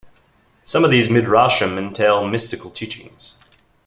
Some of these midrashim entail mystical teachings.